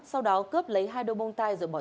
sau đó cướp lấy hai đôi bông tai rồi bỏ trốn